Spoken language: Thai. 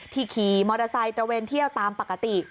ขี่มอเตอร์ไซค์ตระเวนเที่ยวตามปกติ